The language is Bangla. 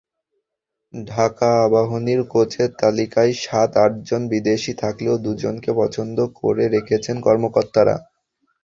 ঢাকা আবাহনীর কোচের তালিকায় সাত-আটজন বিদেশি থাকলেও দুজনকে পছন্দ করে রেখেছেন কর্মকর্তারা।